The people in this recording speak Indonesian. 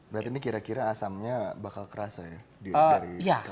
berarti ini kira kira asamnya bakal kerasa ya